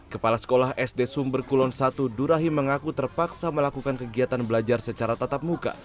kepala sekolah sd sumber kulon satu durahi mengaku terpaksa melakukan kegiatan belajar secara tatap muka